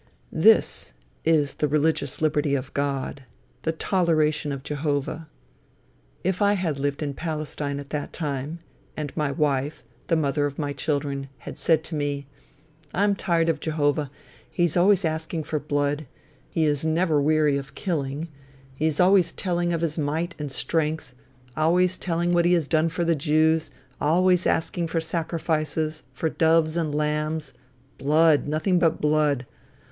This is the religious liberty of God; the toleration of Jehovah. If I had lived in Palestine at that time, and my wife, the mother of my children, had said to me, "I am tired of Jehovah, he is always asking for blood; he is never weary of killing; he is always telling of his might and strength; always telling what he has done for the Jews, always asking for sacrifices; for doves and lambs blood, nothing but blood.